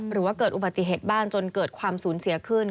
หรือว่าเกิดอุบัติเหตุบ้างจนเกิดความสูญเสียขึ้น